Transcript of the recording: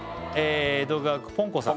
江戸川区ぽんこさん